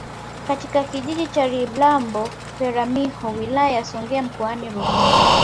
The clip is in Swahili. katika kijiji cha Lilambo Peramiho wilaya ya songea mkoani Ruvuma